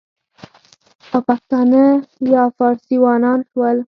او پښتانه یا فارسیوانان شول،